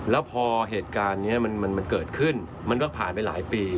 แล้วพอเหตุการณ์นี้มันเกิดขึ้นมันก็ผ่านไปหลายปี